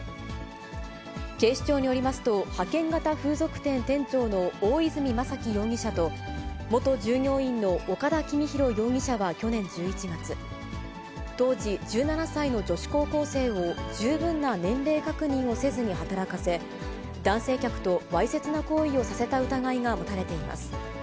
警視庁によりますと、派遣型風俗店店長の大泉正樹容疑者と、元従業員の岡田王宏容疑者は去年１１月、当時１７歳の女子高校生を十分な年齢確認をせずに働かせ、男性客とわいせつな行為をさせた疑いが持たれています。